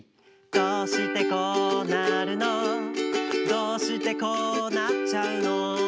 どうしてこうなるのどうしてこうなっちゃうの！？